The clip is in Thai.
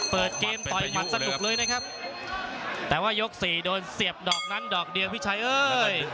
เปิดเกมต่อยหมัดสนุกเลยนะครับแต่ว่ายกสี่โดนเสียบดอกนั้นดอกเดียวพี่ชัยเอ้ย